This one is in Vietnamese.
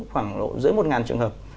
khoảng rưỡi một ngàn trường hợp